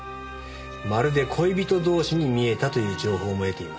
まるで恋人同士に見えたという情報も得ています。